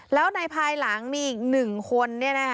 แล้วในภายหลังมีอีก๑คน